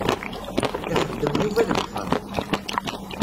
Ixeddem Yuba deg uxxam.